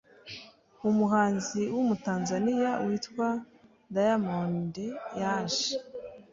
Umuhanzi w’umu tanzaniya witwa diyamonde yaje